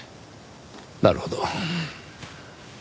なるほど。